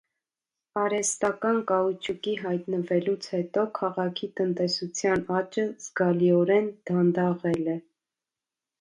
Արհեստական կաուչուկի հայտնվելուց հետո քաղաքի տնտեսության աճը զգալիորեն դանդաղել է։